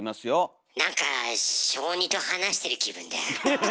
なんか小２と話してる気分だ。